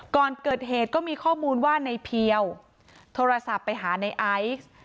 ก่อนเกิดเหตุก็มีข้อมูลว่าในเพียวโทรศัพท์ไปหาในไอซ์